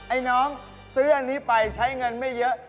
ไอ้น้องซื้ออันนี้ไปใช้เงินไม่เยอะ